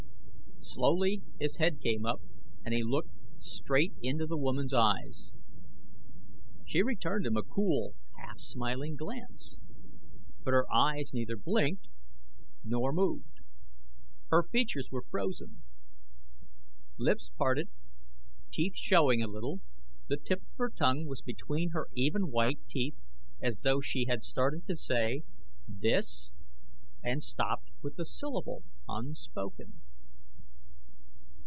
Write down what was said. Slowly his head came up and he looked straight into the woman's eyes. She returned him a cool, half smiling glance. But her eyes neither blinked nor moved. Her features were frozen. Lips parted, teeth showing a little, the tip of her tongue was between her even white teeth as though she had started to say "this" and stopped with the syllable unspoken.